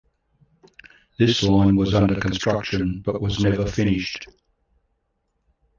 This line was under construction but was never finished.